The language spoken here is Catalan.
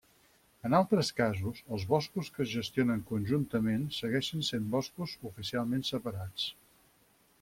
En altres casos, els boscos que es gestionen conjuntament segueixen sent boscos oficialment separats.